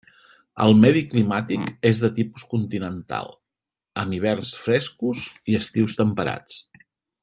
El medi climàtic és de tipus continental, amb hiverns frescos i estius temperats.